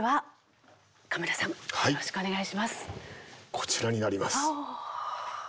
こちらになります。